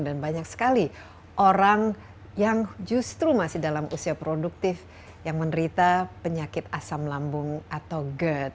dan banyak sekali orang yang justru masih dalam usia produktif yang menderita penyakit asam lambung atau gerd